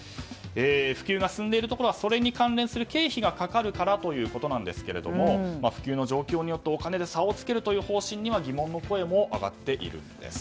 普及が進んでいるところはそれに関連する経費がかかるからということですが普及の状況によってお金で差をつけるという方針には疑問の声も上がっているんです。